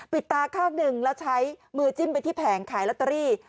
ตาข้างหนึ่งแล้วใช้มือจิ้มไปที่แผงขายลอตเตอรี่